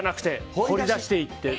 掘り出していって。